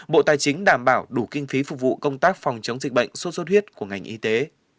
bộ tài chính đảm bảo đủ kinh phí phục vụ công tác phòng chống dịch bệnh sốt xuất huyết của ngành y tế